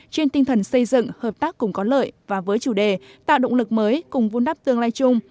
trên tinh thần xây dựng hợp tác cùng có lợi và với chủ đề tạo động lực mới cùng vun đắp tương lai chung